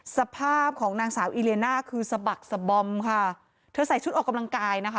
สภาพของนางสาวอิเลียน่าคือสะบักสะบอมค่ะเธอใส่ชุดออกกำลังกายนะคะ